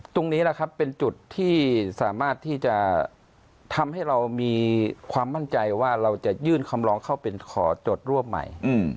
ตรงนี้แหละครับเป็นจุดที่สามารถที่จะทำให้เรามีความมั่นใจว่าเราจะยื่นคำร้องเข้าเป็นขอจดรวบใหม่